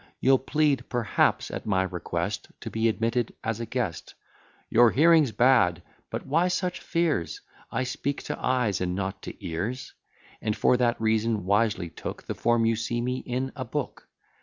You'll plead, perhaps, at my request, To be admitted as a guest, "Your hearing's bad!" But why such fears? I speak to eyes, and not to ears; And for that reason wisely took The form you see me in, a book.